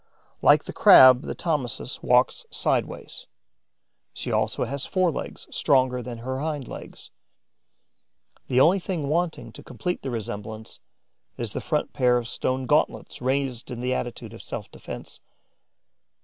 Like the Crab, the Thomisus walks sideways; she also has forelegs stronger than her hind legs. The only thing wanting to complete the resemblance is the front pair of stone gauntlets, raised in the attitude of self defence.